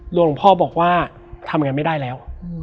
หลวงพ่อบอกว่าทำยังไงไม่ได้แล้ว